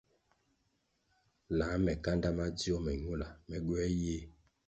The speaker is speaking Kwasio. Lā me kanda madzio me ñula, me gywē yie.